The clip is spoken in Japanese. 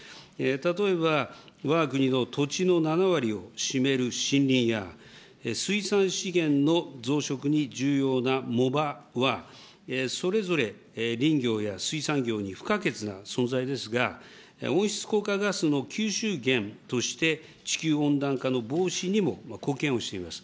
例えば、わが国の土地の７割を占める森林や、水産資源の増殖に重要な藻場は、それぞれ林業や水産業に不可欠な存在ですが、温室効果ガスの吸収源として、地球温暖化の防止にも貢献をしています。